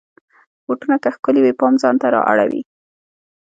بوټونه که ښکلې وي، پام ځان ته را اړوي.